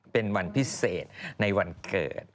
เป็นวันพิเศษในวันเกิด